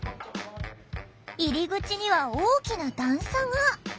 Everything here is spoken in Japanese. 入り口には大きな段差が！